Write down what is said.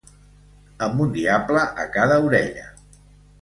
Amb un diable a cada orella.